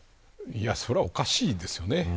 それはおかしいですよね。